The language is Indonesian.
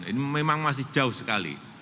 ini memang masih jauh sekali